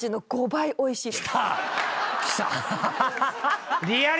５倍おいしい。